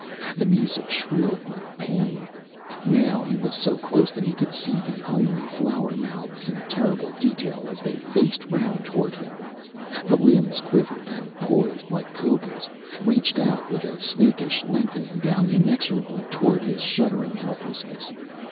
The music shrilled like pain. Now he was so close that he could see the hungry flower mouths in terrible detail as they faced round toward him. The limbs quivered and poised like cobras, reached out with a snakish lengthening, down inexorably toward his shuddering helplessness.